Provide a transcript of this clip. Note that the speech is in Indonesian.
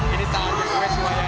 ini saatnya kami kebayangi